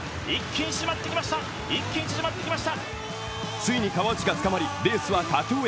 ついに川内がつかまりレースは佳境へ。